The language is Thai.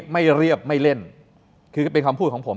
ไม่เรียบไม่เล่นคือเป็นคำพูดของผม